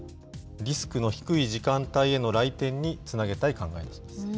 リスクの低い時間帯への来店につなげたい考えなんです。